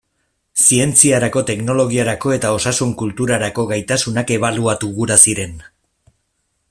Zientziarako, teknologiarako eta osasun kulturarako gaitasunak ebaluatu gura ziren.